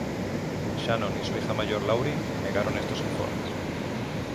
Shannon y su hija mayor Lauryn negaron estos informes.